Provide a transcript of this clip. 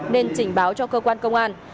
nên trình báo cho cơ quan công an